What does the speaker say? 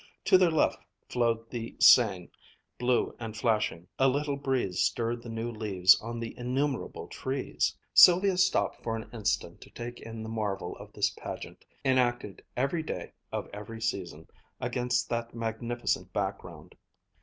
To their left flowed the Seine, blue and flashing. A little breeze stirred the new leaves on the innumerable trees. Sylvia stopped for an instant to take in the marvel of this pageant, enacted every day of every season against that magnificent background.